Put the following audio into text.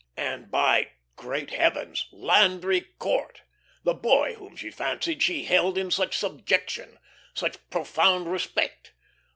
And by great heavens! Landry Court. The boy whom she fancied she held in such subjection, such profound respect.